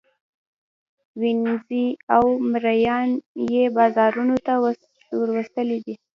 وینزې او مرییان یې بازارانو ته وروستلي دي.